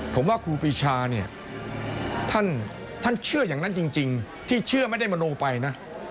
ผมว่าครูปีชาเนี่ยท่านเชื่ออย่างนั้นจริงที่เชื่อไม่ได้มโนไปนะ